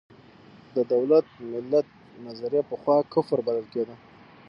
د دولت–ملت نظریه پخوا کفر بلل کېده.